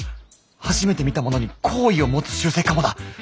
初めて見たものに好意を持つ習性かもだ。